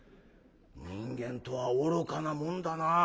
人間とは愚かなもんだな。